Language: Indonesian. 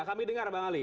kami dengar bang ali